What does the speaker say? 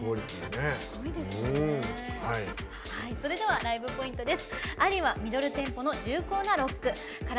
それではライブポイントです。